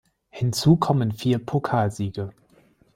Hinzu kommen vier Pokalsiege.